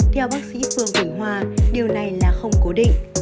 theo bác sĩ phương vĩnh hoa điều này là không cố định